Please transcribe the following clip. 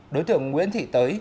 đối tượng nguyễn thị tới